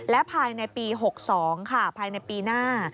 และภายในปี๖๒ค่ะภายในปีหน้า